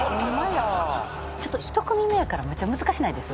ちょっと１組目やからむっちゃ難しないです？